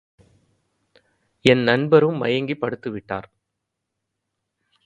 என் நண்பரும் மயங்கிப் படுத்து விட்டார்.